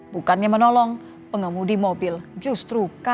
bukannya menolong pengemudi mobil justru kabur meninggalnya